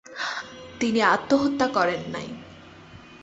তিনি আত্মহত্যা করেন নাই”।